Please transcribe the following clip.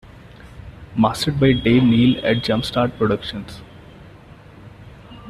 Mastered by Dave Neil at Jumpstart Productions.